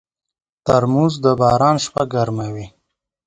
ترموز د باران شپه ګرموي.